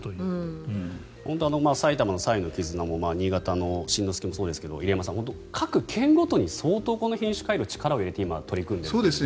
埼玉の彩のきずなも新潟の新之助もそうですが入山さん、本当に各県ごとに相当、品種改良に力を入れて取り組んでいますよね。